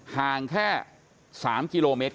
ห่างแค่๓กิโลเมตร